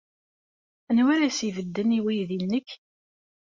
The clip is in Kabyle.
Anwa ara as-ibedden i weydi-nnek?